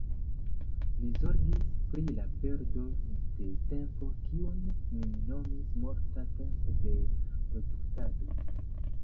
Li zorgis pri la perdo de tempo, kiun li nomis morta tempo de produktado.